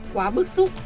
quá bức xúc